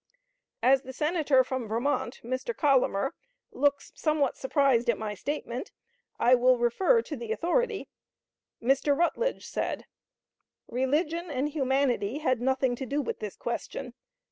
As the Senator from Vermont [Mr. Collamer] looks somewhat surprised at my statement, I will refer to the authority. Mr. Rutledge said: "Religion and humanity had nothing to do with this question.